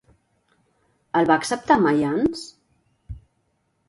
El va acceptar Mayans?